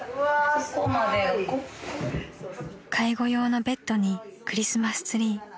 ［介護用のベッドにクリスマスツリー］